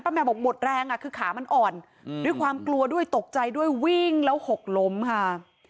แมวบอกหมดแรงอ่ะคือขามันอ่อนด้วยความกลัวด้วยตกใจด้วยวิ่งแล้วหกล้มค่ะ